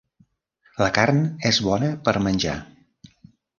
La carn és bona per menjar.